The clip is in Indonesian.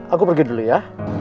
aku pergi dulu ya